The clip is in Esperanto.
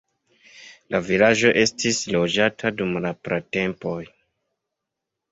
La vilaĝo estis loĝata dum la pratempoj.